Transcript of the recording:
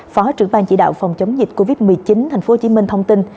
phó trưởng ban chỉ đạo phòng chống dịch covid một mươi chín tp hcm thông tin